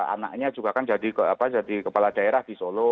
anaknya juga kan jadi kepala daerah di solo